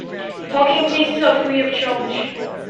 Parking places are free of charge.